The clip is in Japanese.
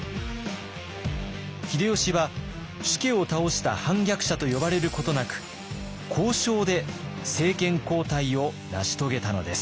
秀吉は主家を倒した反逆者と呼ばれることなく交渉で政権交代を成し遂げたのです。